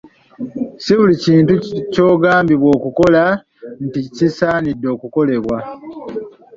Si buli kintu ky'ogambibwa okukola nti kisaanidde okukolebwa.